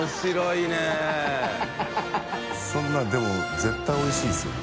そんなでも絶対おいしいですよ。